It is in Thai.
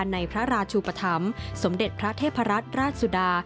ในพระราชุปธรรมสมเด็จพระเทพรัตนราชสุดา